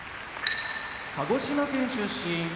鹿児島県出身